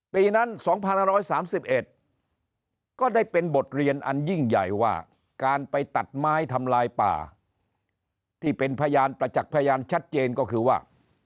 ปีนั้น๒๑๓๑ก็ได้เป็นบทเรียนอันยิ่งใหญ่ว่าการไปตัดไม้ทำลายป่าที่เป็นพยานประจักษ์พยานชัดเจนก็คือว่า